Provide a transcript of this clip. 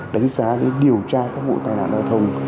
đánh giá điều tra các vụ tai nạn giao thông